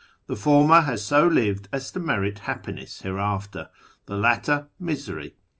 The former has so lived as to merit happiness hereafter ; the latter, misery.